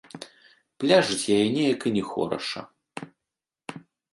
Пляжыць яе неяк і не хораша.